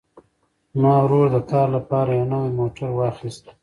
زما ورور د کار لپاره یو نوی موټر واخیست.